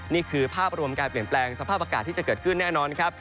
นี่คือภาพรวมการเปลี่ยนแปลงสภาพอากาศที่จะเกิดขึ้นแน่นอนครับ